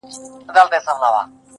که یوازي دي په نحو خوله خوږه ده.!